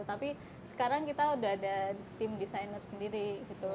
tapi sekarang kita udah ada tim desainer sendiri gitu